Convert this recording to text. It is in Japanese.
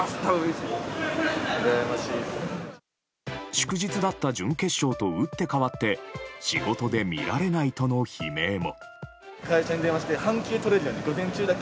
祝日だった準決勝と打って変わって仕事で見られないとの悲鳴も。